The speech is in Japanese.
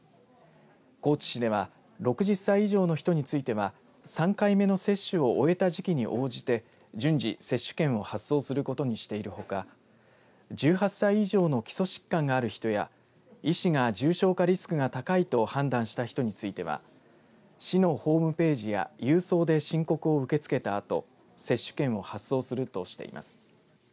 高知市では６０歳以上の人については３回目の接種を終えた時期に応じて順次、接種券を発送することにしているほか１８歳以上の基礎疾患がある人や医師が重症化リスクが高いと判断した人については市のホームページや郵送で申告を受け付けたあと接種券を発送するとしています。